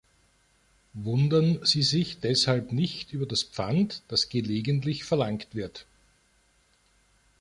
Wundern Sie sich deshalb nicht über das Pfand, das gelegentlich verlangt wird.